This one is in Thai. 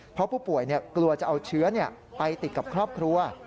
เพราะผู้ป่วยกลัวจะเอาเชื้อไปติดกับครอบครัว